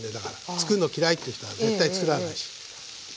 つくるの嫌いっていう人は絶対つくらないし。